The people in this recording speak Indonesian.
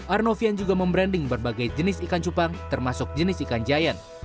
arnovian juga membranding berbagai jenis ikan cupang termasuk jenis ikan giant